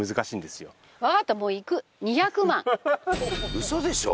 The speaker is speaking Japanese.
ウソでしょ？